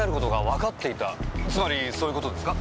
つまりそういう事ですか？